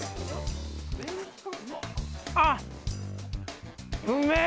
あっ！